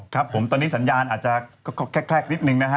ครับผมตอนนี้สัญญาณอาจจะก็แคลกนิดนึงนะฮะ